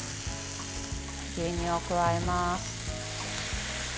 牛乳を加えます。